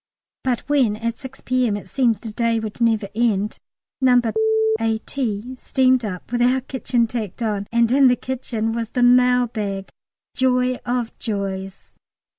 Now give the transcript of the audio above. But when at 6 P.M. it seemed the day would never end, No. A.T. steamed up with our kitchen tacked on, and in the kitchen was the mail bag joy of joys!